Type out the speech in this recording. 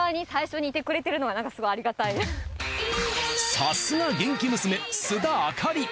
さすが元気娘須田亜香里。